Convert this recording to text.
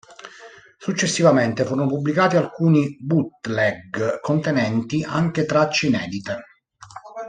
Successivamente furono pubblicati alcuni bootleg contenenti anche tracce inedite.